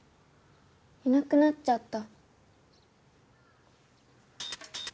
いなくなっちゃった。